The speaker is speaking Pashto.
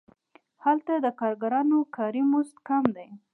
هلته د کارګرانو کاري مزد کم دی